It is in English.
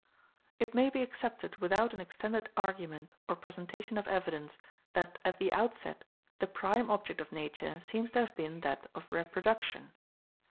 It may be accepted without an extended argument or presentation of evidence that at the outset the prime object of Nature seems to have been that of Reproduction.